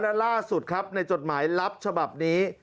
และล่าสุดครับในจดหมายลับฉบับนี้